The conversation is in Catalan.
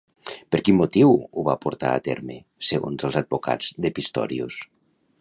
Per quin motiu ho va portar a terme, segons els advocats de Pistorius?